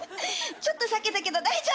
ちょっと裂けたけど大丈夫！